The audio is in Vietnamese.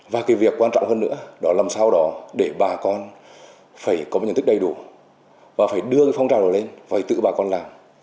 và cái việc quan trọng hơn nữa đó là làm sao đó để bà con phải có một nhận thức đầy đủ và phải đưa cái phong trào đó lên phải tự bà con làm